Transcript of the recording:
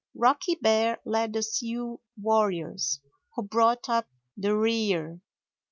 Rocky Bear led the Sioux warriors, who brought up the rear.